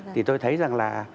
thì tôi thấy rằng là